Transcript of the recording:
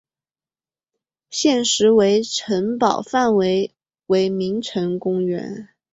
现时为城堡范围为名城公园。